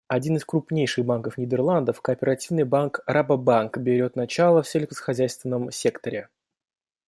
Один из крупнейших банков Нидерландов, кооперативный банк «Рабобанк», берет начало в сельскохозяйственном секторе.